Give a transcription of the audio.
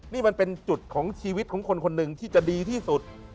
นี่มันเป็นจุดของชีวิตของคนคนหนึ่งที่จะดีที่สุด